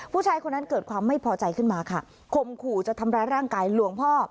ผู้ชายคนนั้นเกิดความไม่พอใจขึ้นมาค่ะคมขู่จะทำร้ายร่างกายหลวงพ่อ